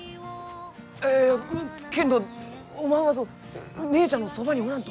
いやいやけんどおまんは姉ちゃんのそばにおらんと！